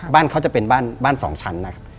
บ้านเขาจะเป็นบ้าน๒ชั้น